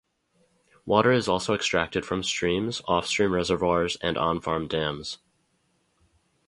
Water is also extracted from streams, off-stream reservoirs and on-farm dams.